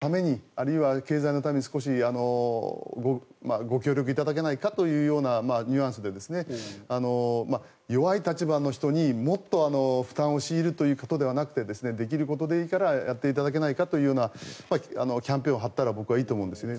今回は言い方は悪いかもしれませんがたった１か月なのでご高齢の方、少し若者のためにあるいは経済のために少しご協力いただけないかというようなニュアンスで弱い立場の人にもっと負担を強いるということではなくてできることでいいからやっていただけないかというようなキャンペーンを張ったら僕はいいと思うんですね。